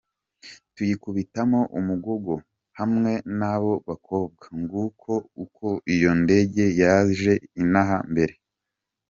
Tuyikubitamo umugogo hamwe n’abo bakobwa; nguko uko iyo ndege yageze inaha mbere.